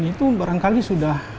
itu barangkali sudah